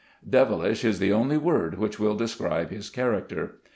" Devilish " is the only word which will describe his character.